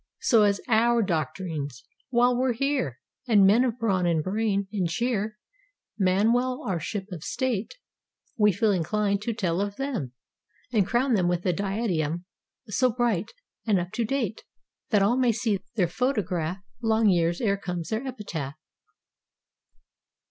So as our doctrine's^—"While we're here" And men of brawn and brain and cheer Man well our Ship of State; We feel inclined to tell of them And crown them with a diadem So bright, and up to date. That all may see their photograph Long years 'ere comes their epitaph.